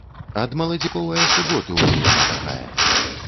Ад маладзіковае суботы ўжо яна такая!